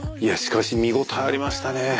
いやしかし見応えありましたね。